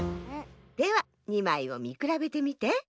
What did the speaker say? では２まいをみくらべてみて。